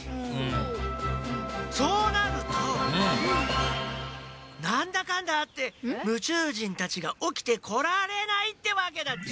そうなるとなんだかんだあってむちゅう人たちがおきてこられないってわけだっち。